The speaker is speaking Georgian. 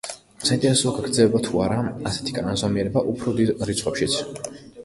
საინტერესოა გაგრძელდება თუ არა ასეთი კანონზომიერება უფრო დიდ რიცხვებშიც.